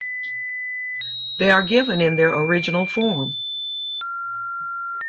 They are given in their original form.